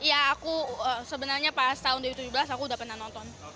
ya aku sebenarnya pas tahun dua ribu tujuh belas aku udah pernah nonton